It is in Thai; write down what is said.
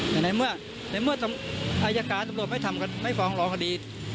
แต่ในเมื่อในเมื่ออายการตำรวจไม่ทำก็ไม่ฟ้องร้องคดี